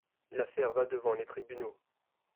L'affaire va devant les tribunaux.